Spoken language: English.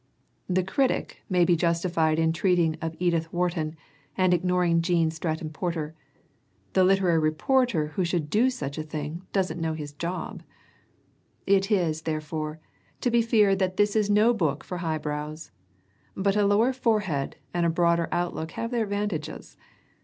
The critic may be justified in treating of Edith Wharton and ignoring Gene Stratton Porter. The literary reporter who should do such a thing doesn't know his job. It is, therefore, to be feared that this is no book for highbrows. But a lower forehead and a broader outlook have their advantages.